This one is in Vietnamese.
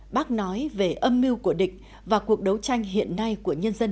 bác nói về âm mưu của địch và cuộc đấu tranh hiện nay của nhân dân